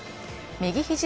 右ひじ